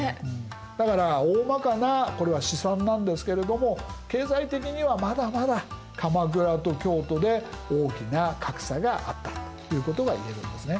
だからおおまかなこれは試算なんですけれども経済的にはまだまだ鎌倉と京都で大きな格差があったということがいえるんですね。